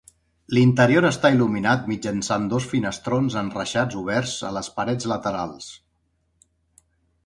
L'interior està il·luminat mitjançant dos finestrons enreixats oberts a les parets laterals.